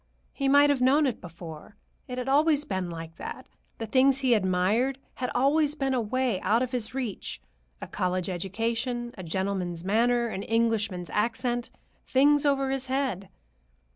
He might have known it before. It had always been like that; the things he admired had always been away out of his reach: a college education, a gentleman's manner, an Englishman's accent—things over his head.